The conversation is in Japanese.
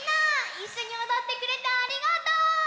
いっしょにおどってくれてありがとう！